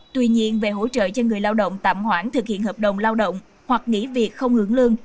tuy nhiên về hỗ trợ cho người lao động tạm hoãn thực hiện hợp đồng lao động hoặc nghỉ việc không hưởng lương